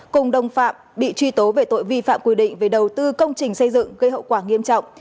cùng đồng phạm bị truy tố về tội vi phạm quy định về đầu tư công trình xây dựng gây hậu quả nghiêm trọng